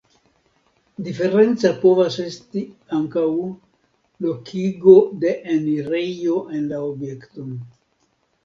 Diferenca povas esti ankaŭ lokigo de enirejo en la objekton.